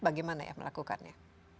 bagaimana ya melakukannya